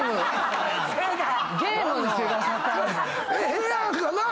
ええやんかなあ